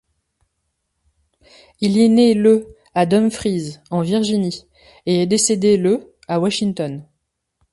Il est né le à Dumfries, en Virginie, et est décédé le à Washington.